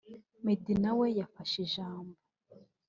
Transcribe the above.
Meddy nawe yafashe ijambo